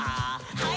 はい。